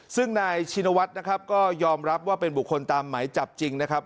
ซึ่งนายชินวัฒน์นะครับก็ยอมรับว่าเป็นบุคคลตามหมายจับจริงนะครับ